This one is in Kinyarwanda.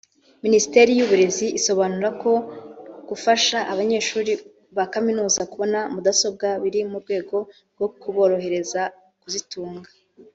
Minisiteri y’Uburezi isobanura ko gufasha abanyeshuri ba Kaminuza kubona mudasobwa biri mu rwego rwo kuborohereza kuzitunga